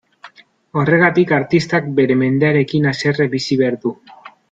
Horregatik, artistak bere mendearekin haserre bizi behar du.